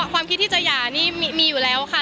ความคิดที่จะหย่านี่มีอยู่แล้วค่ะ